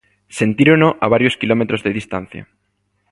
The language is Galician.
Sentírono a varios quilómetros de distancia.